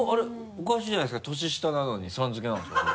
おかしいじゃないですか年下なのにさん付けなんですか？